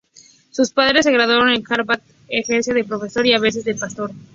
Su padre se graduó en Harvard, ejercía de profesor y, a veces, de pastor.